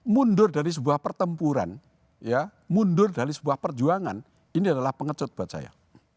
mundur dari sebuah pertempuran ya mundur dari sebuah perjuangan ini adalah pengecut buat saya